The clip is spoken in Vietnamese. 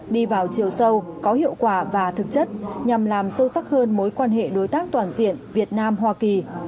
đi vào chiều sâu có hiệu quả và thực chất nhằm làm sâu sắc hơn mối quan hệ đối tác toàn diện việt nam hoa kỳ